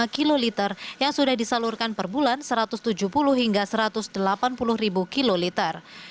lima kiloliter yang sudah disalurkan per bulan satu ratus tujuh puluh hingga satu ratus delapan puluh kiloliter